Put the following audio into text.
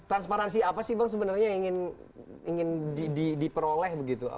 transparansi apa sih bang sebenarnya yang ingin diperoleh begitu